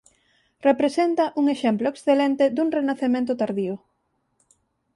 Representa un exemplo excelente dun Renacemento tardío.